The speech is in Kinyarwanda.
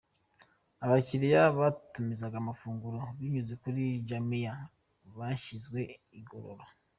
Abakiriya batumizaga amafunguro binyuze kuri Jumia bashyizwe igorora.